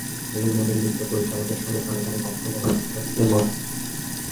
এরই মধ্যে নৃত্যপরিচালকের সঙ্গে কানে কানে কথা বলা শুরু করেছেন ইমন।